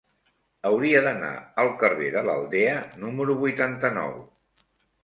Hauria d'anar al carrer de l'Aldea número vuitanta-nou.